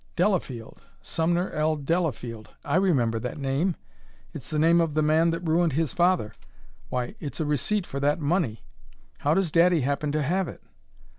"Delafield! Sumner L. Delafield! I remember that name. It's the name of the man that ruined his father why, it's a receipt for that money! How does daddy happen to have it?"